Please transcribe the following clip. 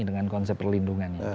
dengan konsep perlindungan itu